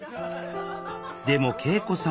でも圭永子さん